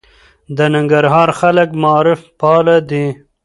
د ننګرهار خلک معارف پاله دي.